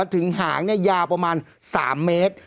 ถึงหางยาวประมาณ๓เมตร